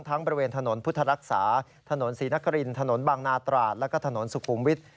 บริเวณถนนพุทธรักษาถนนศรีนครินถนนบางนาตราดแล้วก็ถนนสุขุมวิทย์